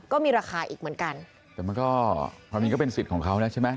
ก็มีราคาอีกเหมือนกันแต่มันก็ความจริงก็เป็นสิทธิ์ของเขานะใช่ไหม